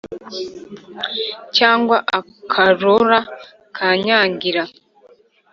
Cyangwa akarora Kanyangira,